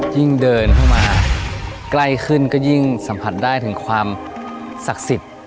ยิ่งเดินเข้ามาใกล้ขึ้นก็ยิ่งสัมผัสได้ถึงความศักดิ์สิทธิ์